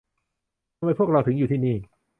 ทำไมพวกเราถึงอยู่ที่นี่ ?